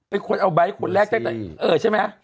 เป็นคนเอาไบร์ดของแรกได้ไหมเออใช่ไหม